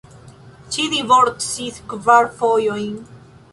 Ŝi divorcis kvar fojojn.